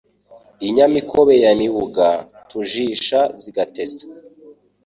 I Nyamikobe ya Mibuga Tujisha zigatetsa.